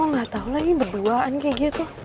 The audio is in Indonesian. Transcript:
aduh gak tau lagi berduaan kayak gitu